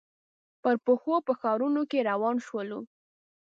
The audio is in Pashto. پر پښو په ښارنو کې روان شولو.